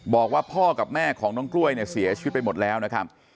บอกว่าพ่อกับแม่ของน้องกล้วยเนี่ยเสียชีวิตไปหมดแล้วนะครับ